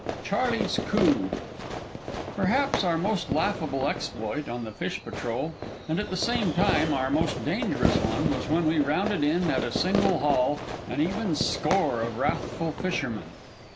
V CHARLEY'S COUP Perhaps our most laughable exploit on the fish patrol, and at the same time our most dangerous one, was when we rounded in, at a single haul, an even score of wrathful fishermen.